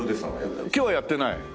今日はやってない？